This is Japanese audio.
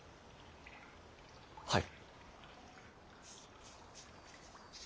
はい。